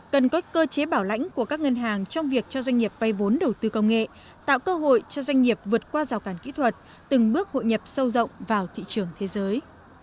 cần có cơ chế bảo lãnh của các ngân hàng trong việc cho doanh nghiệp vay vốn đầu tư công nghệ tạo cơ hội cho doanh nghiệp vượt qua rào cản kỹ thuật từng bước hội nhập sâu rộng vào thị trường thế giới